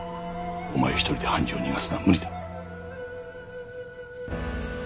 お前一人で半次を逃がすのは無理だ。